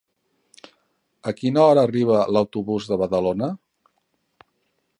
A quina hora arriba l'autobús de Badalona?